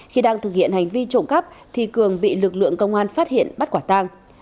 khi đang thực hiện hành vi trộm cắp thì cường bị lực lượng công an phát hiện bắt quả tang